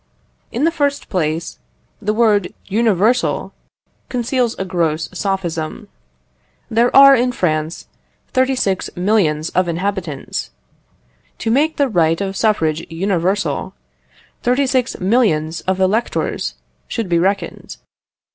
In the first place, the word universal conceals a gross sophism. There are, in France, 36,000,000 of inhabitants. To make the right of suffrage universal, 36,000,000 of electors should be reckoned.